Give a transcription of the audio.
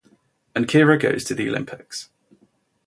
And Kira goes to the Olympics.